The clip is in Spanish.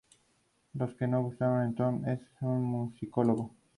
Árbol muy resistente y longevo que prefiere suelos ligeros y frescos.